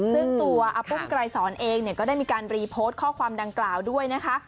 ซึ่งตัวอาปุ้มไกรสอนเองก็ได้มีการรีโพสต์ข้อความดังกล่าวด้วยนะคะ